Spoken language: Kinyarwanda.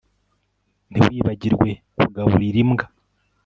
Ntiwibagirwe kugaburira imbwa